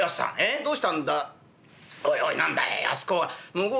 どうしたんだい？」。